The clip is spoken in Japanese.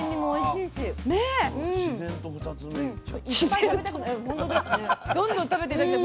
いっぱい食べたくなる。